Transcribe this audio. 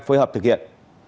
phối hợp được kết